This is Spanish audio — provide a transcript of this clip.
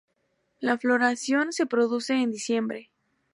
La floración se produce en diciembre.